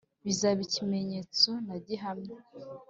Bizaba ikimenyetso na gihamya